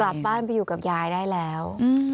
กลับบ้านไปอยู่กับยายได้แล้ว